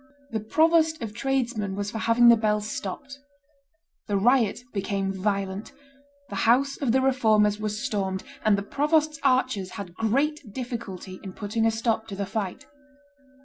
The provost of tradesmen was for having the bells stopped; the riot became violent; the house of the Reformers was stormed; and the provost's archers had great difficulty in putting a stop to the fight.